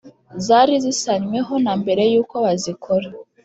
Zari zisansweho na mbere y’uko bazikora